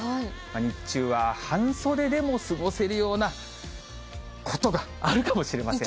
日中は半袖でも過ごせるようなことがあるかもしれません。